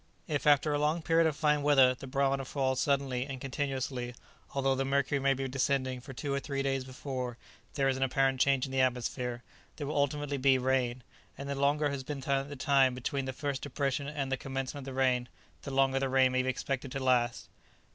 If after a long period of fine weather the barometer falls suddenly and continuously, although the mercury may be descending for two or three days before there is an apparent change in the atmosphere, there will ultimately be rain; and the longer has been the time between the first depression and the commencement of the rain, the longer the rain may be expected to last.